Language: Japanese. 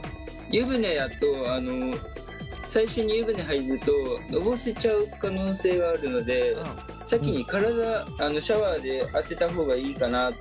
湯船だとあの最初に湯船入るとのぼせちゃう可能性があるので先に体あのシャワーで当てた方がいいかなって思いました。